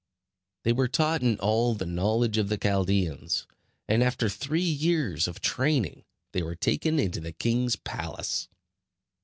They were taught in all the knowledge of the Chaldeans; and after three years of training they were taken into the king's palace.